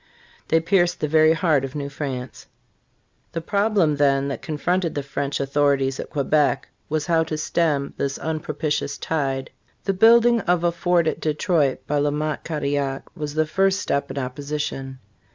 "* They pierced the very heart of New France. The problem, then, that confronted the French authorities at Quebec was how to stem this unpropitious tide. The building of a Fort at Detroit by La Mothe Cadillac was the first step in opposition.